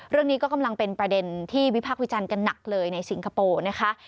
เรื่องนี้ก็กำลังเป็นประเด็นที่วิพากษ์วิจารณ์กันหนักเลยในสิงคโปร์นะคะ